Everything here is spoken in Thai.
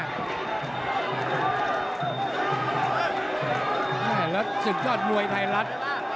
แล้วศึกยอดมวยไทยรัฐ